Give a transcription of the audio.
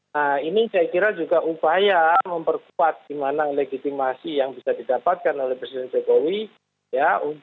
nah ini saya kira juga upaya memperkuat di mana legitimasi yang bisa didapatkan oleh presiden jokowi ya